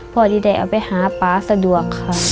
พอดีได้เอาไปหาป๊าสะดวกค่ะ